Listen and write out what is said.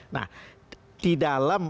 nah di dalam